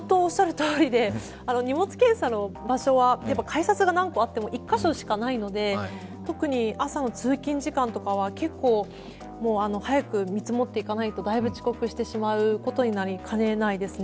荷物検査の場所は改札が何個あっても１カ所しかないので特に朝の通勤時間とかは結構早く見積もっていかないとだいぶ遅刻してしまうことになりかねないですね。